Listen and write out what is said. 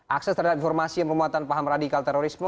akses terhadap informasi yang memuatan paham radikal terorisme